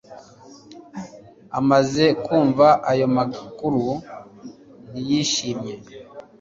Amaze kumva ayo makuru ntiyishimye